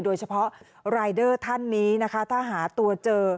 โดยเฉพาะรายเดอร์ท่านนี้นะคะถ้าหาตัวเจอ